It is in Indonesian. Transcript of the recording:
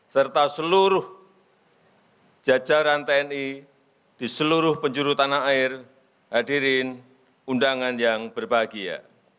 serta seluruh jajaran tni di seluruh penjuru tanah air hadirin undangan yang berbahagia